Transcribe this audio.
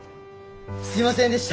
すいませんでした！